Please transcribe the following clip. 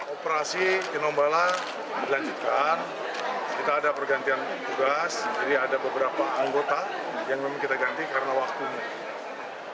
operasi tinombala dilanjutkan kita ada pergantian tugas jadi ada beberapa anggota yang memang kita ganti karena waktunya